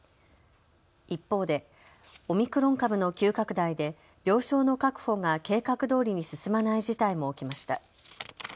一方でオミクロン株の急拡大で病床の確保が計画どおりに進まない事態も起きました。